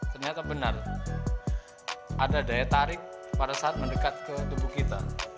ternyata benar ada daya tarik pada saat mendekat ke tubuh kita